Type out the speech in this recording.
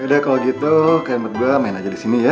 yaudah kalau gitu kayaknya buat gue main aja disini ya